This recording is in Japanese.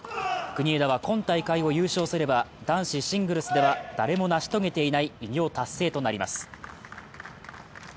国枝は今大会を優勝すれば、男子シングルスでは誰も成し遂げていない偉業達成となります。